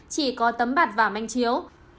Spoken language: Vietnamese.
chỉ có tấm bạc và manh chiếu